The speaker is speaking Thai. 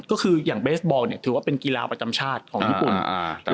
ก็คืออย่างเบสบอลเนี่ยถือว่าเป็นกีฬาประจำชาติของญี่ปุ่น